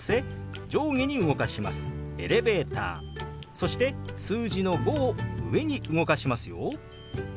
そして数字の「５」を上に動かしますよ。